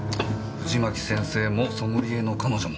藤巻先生もソムリエの彼女も。